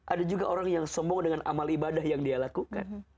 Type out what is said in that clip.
ada juga orang yang sombong dengan amal ibadah yang dia lakukan